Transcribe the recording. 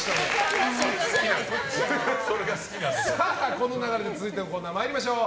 この流れで続いてのコーナー参りましょう。